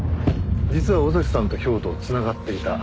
実は尾崎さんと兵頭は繋がっていた。